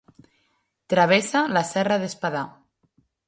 Travessa la Serra d'Espadà.